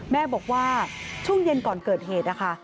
แม่บอกว่าช่วงเย็นก่อนเกิดเหตุนะคะ